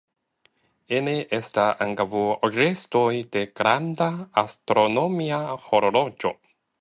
Ene esta ankaŭ restoj de granda astronomia horloĝo.